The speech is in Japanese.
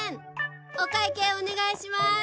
お会計お願いします。